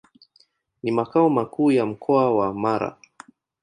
Ni makao makuu ya Mkoa wa Mara.